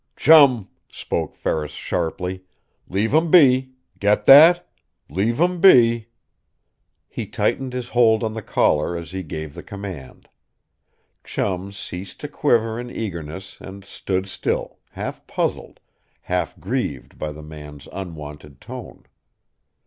"Chum!" spoke Ferris sharply. "Leave 'em be! Get that? LEAVE 'EM BE!" He tightened his hold on the collar as he gave the command. Chum ceased to quiver in eagerness and stood still, half puzzled, half grieved by the man's unwonted tone.